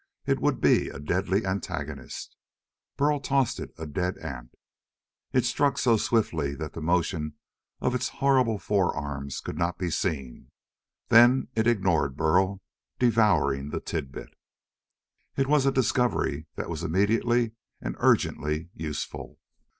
It would be a deadly antagonist. Burl tossed it a dead ant. It struck so swiftly that the motion of its horrible forearms could not be seen. Then it ignored Burl, devouring the tidbit. It was a discovery that was immediately and urgently useful.